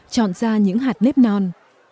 chọn ra những hạt nếp non